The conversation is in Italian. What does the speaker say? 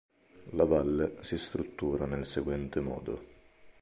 La valle si struttura nel seguente modo.